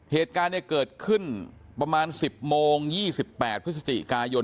เหตุการณ์เกิดขึ้นประมาณ๑๐โมง๒๘พฤศจิกายน